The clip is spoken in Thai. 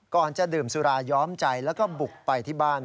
ก่อนจะดื่มสุราย้อมใจแล้วก็บุกไปที่บ้าน